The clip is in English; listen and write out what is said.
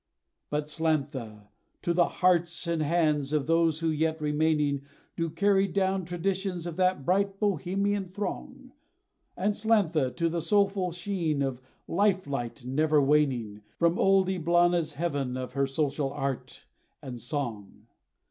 But slantha! to the hearts, and hands, of those who yet remaining, Do carry down traditions of that bright Bohemian throng, And slantha! to the soulful sheen, of life light never waning From Old Eblana's heaven of her social art, and song.